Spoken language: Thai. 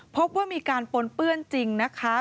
พบว่ามีการปนเปื้อนจริงนะคะ